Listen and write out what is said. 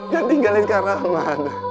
dan tinggalin kak rahman